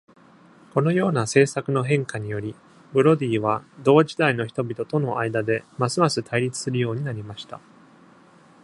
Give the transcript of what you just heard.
このような政策の変化により、ブロディは同時代の人々との間でますます対立するようになりました。